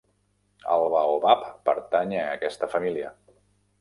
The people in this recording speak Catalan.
El Baobab pertany a aquesta família.